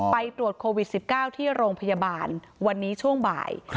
ไปตรวจโควิด๑๙ที่โรงพยาบาลวันนี้ช่วงบ่าย